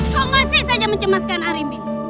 kok masih saja mencemaskan arimbi